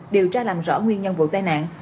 điều tra làm rõ nguyên nhân vụ tai nạn